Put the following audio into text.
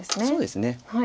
そうですね。